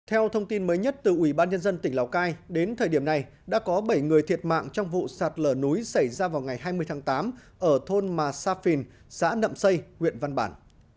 theo thông tin mới nhất từ ủy ban nhân dân tỉnh lào cai đến thời điểm này đã có bảy người thiệt mạng trong vụ sạt lở núi xảy ra vào ngày hai mươi tháng tám ở thôn mà sa phìn xã nậm xây huyện văn bản